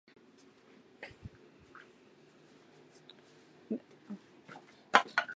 花窗玻璃上描绘了圣母显灵的场景。